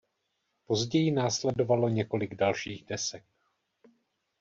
Později následovalo několik dalších desek.